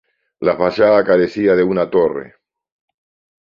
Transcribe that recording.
La fachada carecía de una torre.